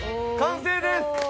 完成です！